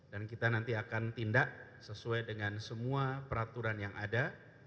dan kita nanti akan tindak sesuai dengan semua peraturan yang ada